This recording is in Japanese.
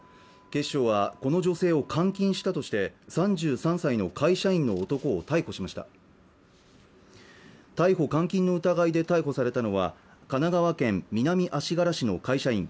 警視庁はこの女性を監禁したとして３３歳の会社員の男を逮捕しました逮捕監禁の疑いで逮捕されたのは神奈川県南足柄市の会社員